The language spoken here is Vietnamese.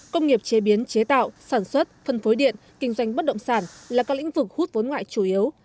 công nghiệp chế biến chế tạo sản xuất phân phối điện kinh doanh bất động sản là các lĩnh vực hút vốn ngoại chủ yếu